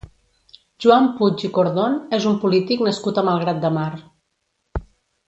Joan Puig i Cordon és un polític nascut a Malgrat de Mar.